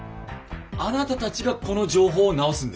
あなたたちがこの情報を直すんですか？